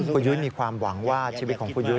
คุณยุ้ยมีความหวังว่าชีวิตของคุณยุ้ย